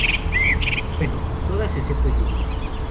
Bueno, todas excepto Yuko.